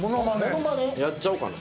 やっちゃおうかな。